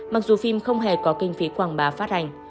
mặc dù phim không hề có kinh phí quảng bá phát hành